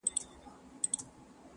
هغه نوري ورځي نه در حسابیږي!.